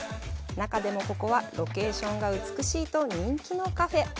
中でも、ここはロケーションが美しいと人気のカフェ。